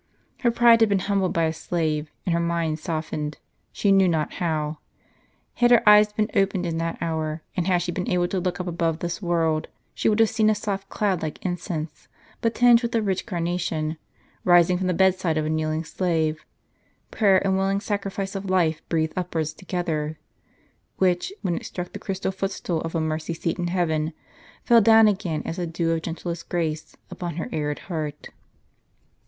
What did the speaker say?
Her pride had been humbled by a slave, and her mind softened, she knew not how. Had her eyes been opened in that hour; and had she been able to look up above this world, she would have seen a soft cloud like incense, but tinged with a rich carnation, rising from the bed side of a kneeling slave (prayer and willing sacrifice of life breathed upwards together), which, when it struck the crystal footstool of a mercy seat in heaven. w. fell down again as a dew of gentlest grace uj)on her arid heart.